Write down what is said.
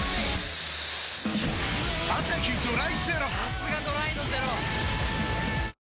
さすがドライのゼロ！